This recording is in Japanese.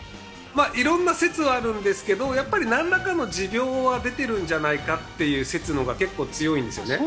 まあいろんな説はあるんですけどやっぱりなんらかの持病は出てるんじゃないかっていう説のほうが結構強いんですよね。